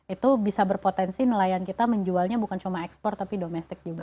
itu bisa berpotensi nelayan kita menjualnya bukan cuma ekspor tapi domestik juga